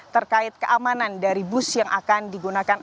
terkait keamanan dari bus yang akan digunakan